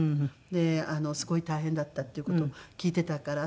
ですごい大変だったっていう事を聞いていたから。